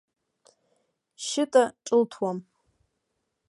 Шьыта ҿылҭуам.